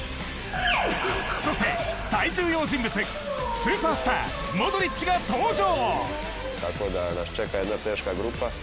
そして、最重要人物スーパースターモドリッチが登場。